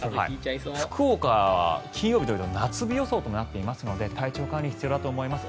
福岡は金曜、土曜は夏日予想となっていますので体調管理必要だと思います。